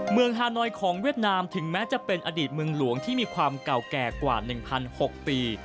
ฮานอยของเวียดนามถึงแม้จะเป็นอดีตเมืองหลวงที่มีความเก่าแก่กว่า๑๖ปี